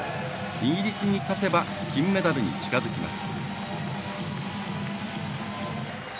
イギリスに勝てば金メダルに近づきます。